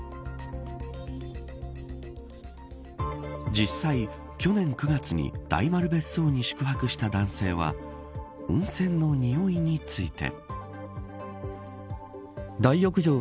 実際、去年９月に大丸別荘に宿泊した男性は温泉のにおいについて。